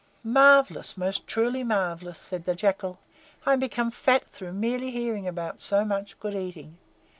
"Marvellous! Most truly marvellous!" said the Jackal. "I am become fat through merely hearing about so much good eating.